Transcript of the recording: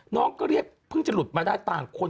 น้องก็เรียกเพิ่งจะหลุดมาได้ต่างคน